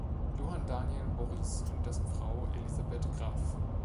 Johann Daniel Borries und dessen Frau Elisabeth Graff.